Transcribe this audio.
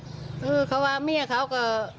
คือเขาว่าเมียเขาก็